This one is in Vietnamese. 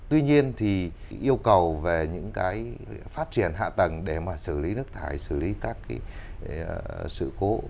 tuy nhiên thì yêu cầu về những phát triển hạ tầng để xử lý nước thải xử lý các sự cố